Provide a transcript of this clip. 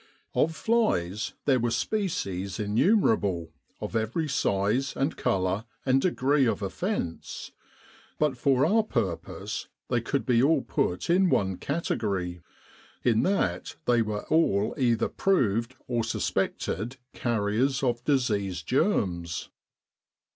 Of flies there were species innumerable, of every size and colour and degree of offence. But for our purpose they could be all put in one category, in that they were all either proved or suspected carriers of disease germs.